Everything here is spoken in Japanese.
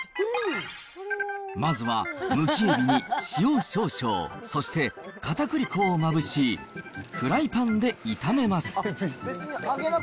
まずはむきエビに塩少々、そして、かたくり粉をまぶし、フライパンで炒めます。